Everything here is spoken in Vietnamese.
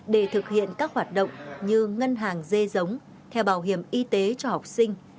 để thực hiện các hoạt động như ngân hàng dê giống theo bảo hiểm y tế cho học sinh